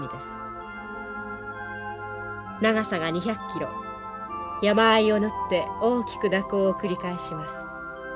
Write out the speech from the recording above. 長さが２００キロ山あいを縫って大きく蛇行を繰り返します。